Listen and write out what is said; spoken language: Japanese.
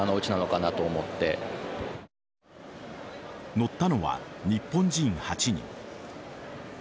乗ったのは日本人８人。